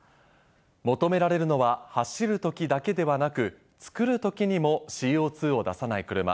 求められるのは、走るときだけではなく、作るときにもＣＯ２を出さない車。